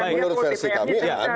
karena menurut versi kami ada